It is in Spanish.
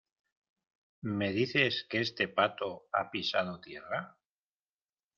¿ me dices que este pato ha pisado tierra?